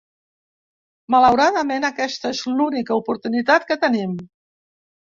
Malauradament, aquesta és l'única oportunitat que tenim.